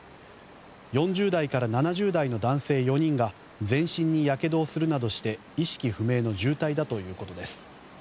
４０代から７０代の男性４人が全身にやけどをするなどして意識不明の重体だということです。